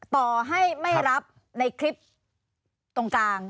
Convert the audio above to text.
ต่อให้ไม่รับในคลิปตรงกลาง